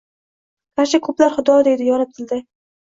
Garchi koʼplar Xudo deydi yonib tilda